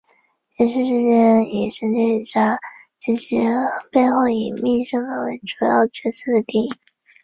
这也是第一部以神奇女侠及其背后隐秘身份为主要角色的电影。